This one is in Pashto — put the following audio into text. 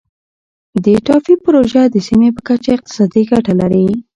د ټاپي پروژه د سیمې په کچه اقتصادي ګټه لري.